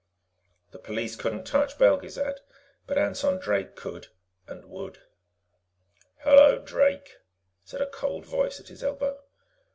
The police couldn't touch Belgezad, but Anson Drake could and would. "Hello, Drake," said a cold voice at his elbow.